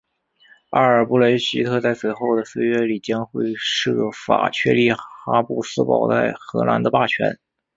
阿尔布雷希特在随后的岁月里将会设法确立哈布斯堡在荷兰的霸权。